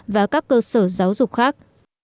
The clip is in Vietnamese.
và các cơ sở giáo dục khác